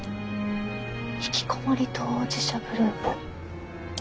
ひきこもり当事者グループ。